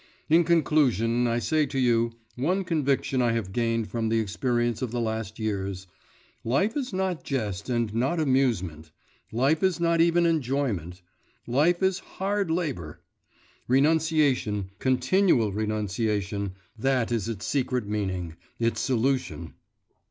… In conclusion, I say to you one conviction I have gained from the experience of the last years life is not jest and not amusement; life is not even enjoyment … life is hard labour. Renunciation, continual renunciation that is its secret meaning, its solution.